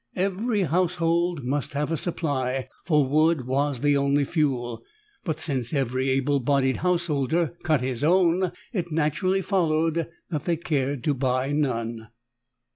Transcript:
Every household must have a supply, for wood was the only fuel, but since every able bodied householder cut his own, it naturally followed that they cared to buy none.